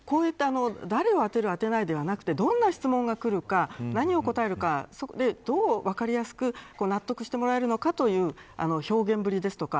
誰を当てる、当てないではなくてどんな質問がくるか何を答えるかどう分かりやすく納得してもらえるのかという表現ぶりですとか